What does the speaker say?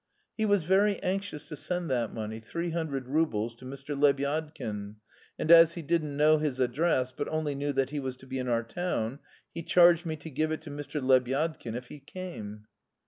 "He was very anxious to send that money, three hundred roubles, to Mr. Lebyadkin. And as he didn't know his address, but only knew that he was to be in our town, he charged me to give it to Mr. Lebyadkin if he came."